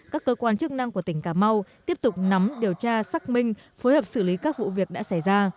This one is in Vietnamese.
các cơ quan chức năng của tỉnh cà mau tiếp tục nắm điều tra xác minh phối hợp xử lý các vụ việc đã xảy ra